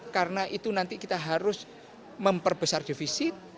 karena itu nanti kita harus memperbesar defisit